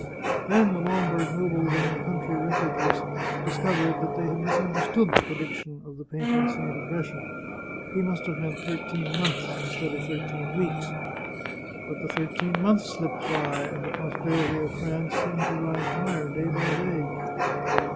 Then the Lombard nobles in their country refuges discovered that they had misunderstood the prediction of the patron saint of Brescia. He must have meant thirteen months in stead of thirteen weeks! But the thirteen months slipped by, and the prosperity of France seemed to rise higher day by day.